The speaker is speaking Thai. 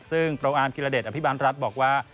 ซึ่งโปรอาร์มกิรเดชอภิบาลรัฐบอกว่า